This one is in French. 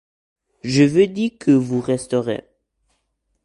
Je vous dis que vous resterez.